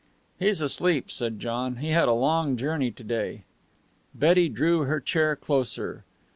"He's asleep," said John. "He had a long journey to day." Betty drew her chair closer.